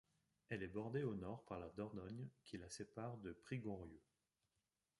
Elle est bordée au nord par la Dordogne qui la sépare de Prigonrieux.